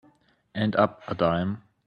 And up a dime.